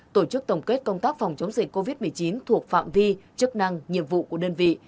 tổ chức tổng kết công tác phòng chống dịch covid một mươi chín thuộc phạm vi chức năng nhiệm vụ của đơn vị